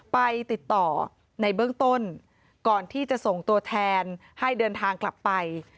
ไปติดต่อในเบื้องต้นก่อนที่จะส่งตัวแทนให้เดินทางกลับไป